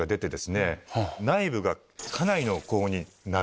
内部がかなり高温になる。